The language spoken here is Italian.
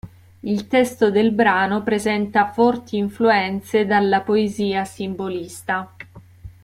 Il testo del brano presenta forti influenze dalla poesia simbolista.